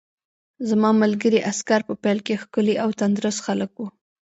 زما ملګري عسکر په پیل کې ښکلي او تندرست خلک وو